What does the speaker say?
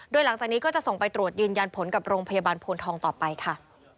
โดยหลังจากนี้ก็จะส่งไปตรวจยืนยันผลกับโรงพยาบาลโพนทองต่อไปค่ะ